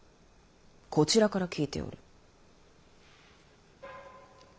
こちらから聞いておる。